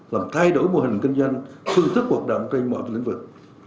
làm thay đổi mô hình kinh doanh xuất sức hoạt động trên mọi lĩnh vực